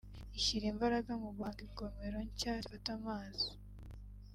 ishyira imbaraga mu guhanga ingomero nshya zifata amazi